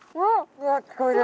うわ聞こえる！